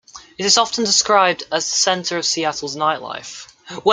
It is often described as the center of Seattle's nightlife.